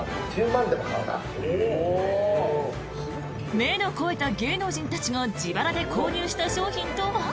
目の肥えた芸能人たちが自腹で購入した商品とは？